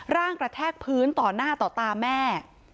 ร่างกระแทกพื้นต่อหน้าต่อตาแม่